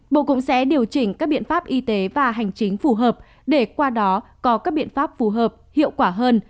bộ cũng sẽ điều chỉnh các biện pháp y tế và hành chính phù hợp để qua đó có các biện pháp phù hợp hiệu quả hơn